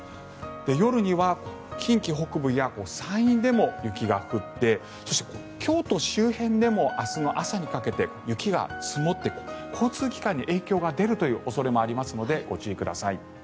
夜には近畿北部や山陰でも雪が降ってそして、京都周辺でも明日の朝にかけて雪が積もって交通機関に影響が出るという恐れもありますのでご注意ください。